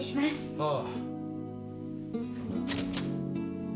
ああ。